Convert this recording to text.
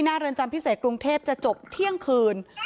น่าริญญาณใจพิเศษกรุงเทพฯจะจบเที่ยงคืน